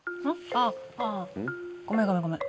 あああごめんごめんごめん。